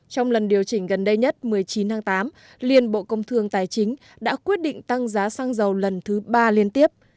trong lần điều chỉnh gần đây nhất một mươi chín tháng tám liên bộ công thương tài chính đã quyết định tăng giá xăng dầu lần thứ ba liên tiếp